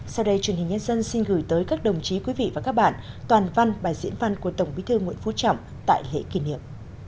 sau đây truyền hình nhân dân xin gửi tới các đồng chí quý vị và các bạn toàn văn bài diễn văn của tổng bí thư nguyễn phú trọng tại hệ kỷ niệm